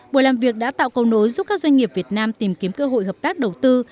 buổi làm việc đã tạo cầu nối giúp các doanh nghiệp việt nam tìm kiếm cơ hội hợp tác đầu tư